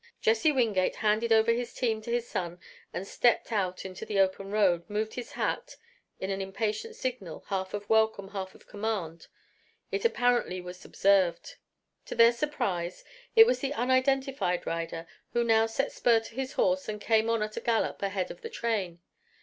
Jesse Wingate handed over his team to his son and stepped out into the open road, moved his hat in an impatient signal, half of welcome, half of command. It apparently was observed. To their surprise, it was the unidentified rider who now set spur to his horse and came on at a gallop ahead of the train.